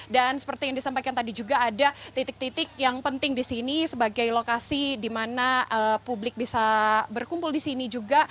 dan seperti yang disampaikan tadi juga ada titik titik yang penting di sini sebagai lokasi di mana publik bisa berkumpul di sini juga